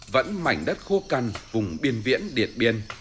vẫn mảnh đất khô cằn vùng biển viễn điệt biên